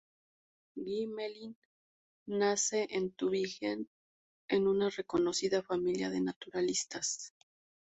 Gmelin nace en Tübingen en una reconocida familia de naturalistas.